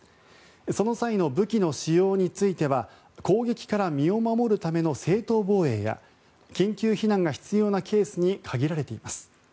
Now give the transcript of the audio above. その際の武器の使用については攻撃から身を守るための正当防衛や緊急避難が必要なケースに限られています。